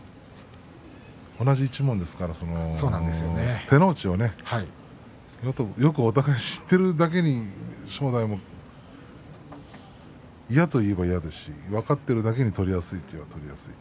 同じ一門ですから手の内をよくお互い知っているだけに正代も嫌といえば嫌ですし分かっているだけに取りやすいといえば取りやすい。